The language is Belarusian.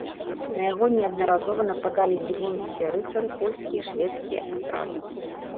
На яго неаднаразова нападалі лівонскія рыцары, польскія і шведскія атрады.